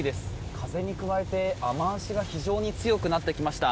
風に加えて、雨脚が非常に強くなってきました。